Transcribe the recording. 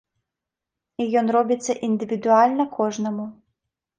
І ён робіцца індывідуальна кожнаму.